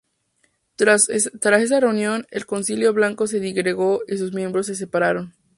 Tras esa reunión, el Concilio Blanco se disgregó y sus miembros se separaron.